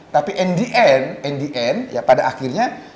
tapi and the end and the end ya pada akhirnya